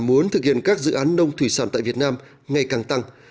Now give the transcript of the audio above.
muốn thực hiện các dự án nông thủy sản tại việt nam ngày càng tăng